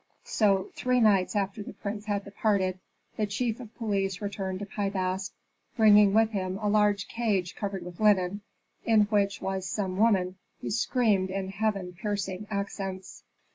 So three nights after the prince had departed, the chief of police returned to Pi Bast, bringing with him a large cage covered with linen, in which was some woman who screamed in heaven piercing accents.